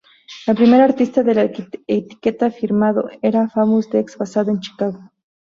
El primer artista de la etiqueta firmado era Famous Dex basado en Chicago.